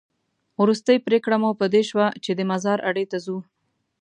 وروستۍ پرېکړه مو په دې شوه چې د مزار اډې ته ځو.